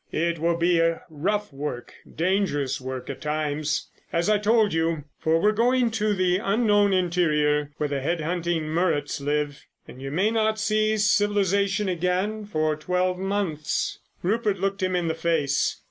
It will be rough work—dangerous work at times, as I told you, for we are going up to the unknown interior where the Head hunting Muruts live, and you may not see civilisation again for twelve months." Rupert looked him in the face.